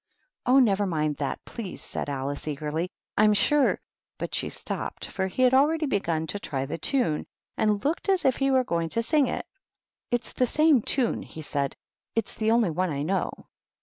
"Oh, never mind that, please," said AKce, eagerly. "I'm sure " But she stopped, for he had already begun to try the tune, and looked as if he were going to sing it. " It's the same tune," he said ;" it's the onlv one I know.